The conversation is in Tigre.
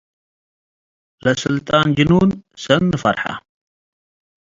ለስልጣን-ጅኑን ሰኒ ፈርሐ።